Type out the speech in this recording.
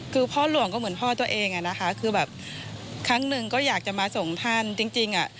คือพ่อหลวงก็เหมือนพ่อตัวเองอะนะคะคือแบบครั้งหนึ่งก็อยากจะมาส่งท่านจริงอ่ะ